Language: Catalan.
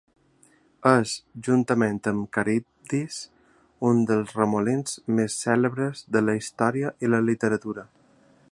És, juntament amb Caribdis, un dels remolins més cèlebres de la història i la literatura.